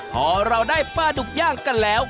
พอเราได้ปลาดุกย่างกันแล้ว